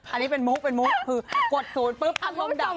อันนี้เป็นมุกคือกด๐ปุ๊บพัดลมดับ